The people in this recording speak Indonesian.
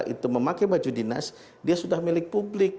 kami ingatkan agar tidak menggunakan baju dinas pada saat menunjukkan keberpihakan